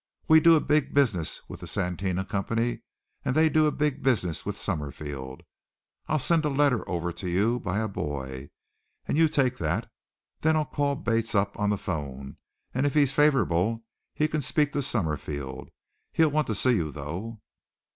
We do a big business with the Satina Company, and they do a big business with Summerfield. I'll send a letter over to you by a boy and you take that. Then I'll call Bates up on the phone, and if he's favorable he can speak to Summerfield. He'll want to see you, though."